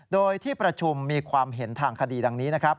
โดยที่ประชุมมีความเห็นทางคดีดังนี้นะครับ